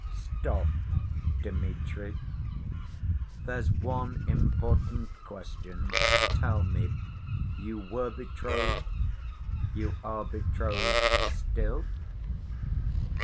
"Stop, Dmitri. There's one important question. Tell me, you were betrothed, you are betrothed still?"